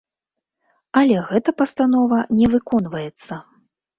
Але гэта пастанова не выконваецца.